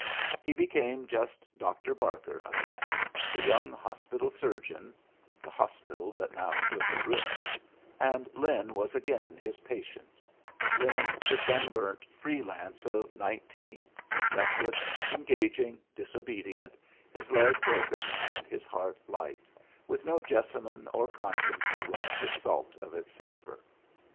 He became just Dr. Barker again, the young hospital surgeon (the hospital that now stood a ruin), and Lin was again his patient Lin, the sun burnt free lance of nineteen, reckless, engaging, disobedient, his leg broken and his heart light, with no Jessamine or conscience to rob his salt of its savor.